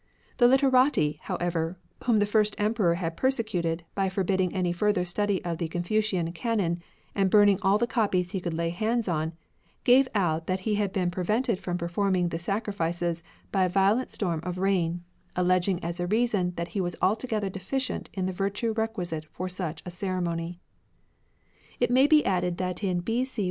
The literati, however, whom the Fir^t Emperor had persecuted by forbidding any further study of the Confucian Canon, and burning all the copies he could lay hands on, gave out that he had been prevented from performing the sacrifices by a violent storm of rain, alleging as a reason that he was altogether deficient in the virtue requisite for such a cere mony. It may be added that in B.C.